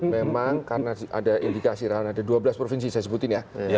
memang karena ada indikasi rahana ada dua belas provinsi saya sebutin ya